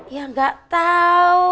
ya gak tau